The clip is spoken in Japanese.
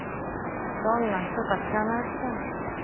どんな人か知らないくせに。